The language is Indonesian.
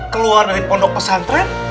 keluar dari pondok pesantren